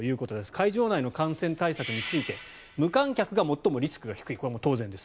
会場内の感染対策について無観客が最もリスクが低いこれは当然です。